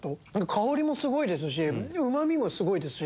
香りもすごいですしうまみもすごいですし。